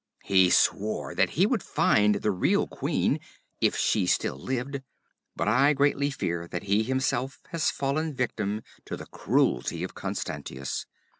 He swore that he would find the real queen, if she still lived, but I greatly fear that he himself has fallen victim to the cruelty of Constantius.